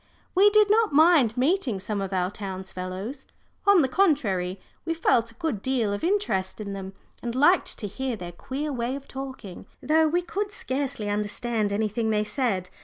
We did not mind meeting some of our townsfellows. On the contrary, we felt a good deal of interest in them and liked to hear their queer way of talking, though we could scarcely understand anything they said.